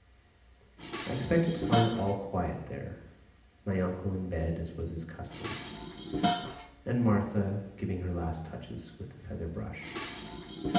I expected to find all quiet there, my uncle in bed as was his custom, and Martha giving her last touches with the feather brush.